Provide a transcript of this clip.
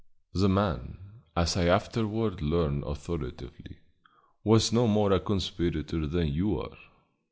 The man, as I afterward learned authoritatively, was no more a conspirator than you are.